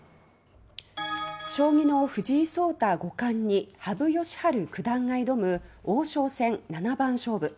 将棋の藤井聡太五冠に羽生善治九段が挑む王将戦７番勝負。